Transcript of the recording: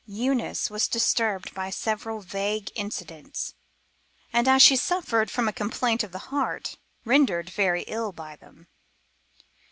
Eunice was disturbed by several vague incidents, and, as she suffered from a complaint of the heart, rendered very ill by them.